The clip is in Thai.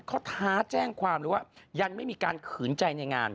เขาท้าแจ้งความเลยว่ายังไม่มีการขืนใจในงาน